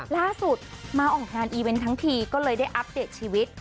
ล่าสุดมาออกงานอีเวนต์ทั้งทีก็เลยได้อัปเดตชีวิต